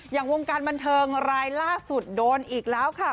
อย่างวงการบันเทิงรายล่าสุดโดนอีกแล้วค่ะ